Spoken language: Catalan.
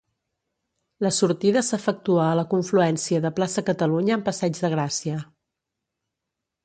La sortida s'efectua a la confluència de Plaça Catalunya amb Passeig de Gràcia.